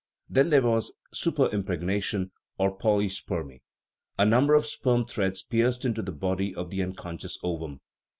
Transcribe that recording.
then there was " super impregnation " or " poly spermy " a number of sperm threads pierced into the body of the unconscious ovum.